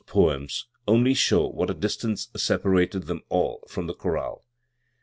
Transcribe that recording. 23 poems only show what a distance separated them all from the chorale.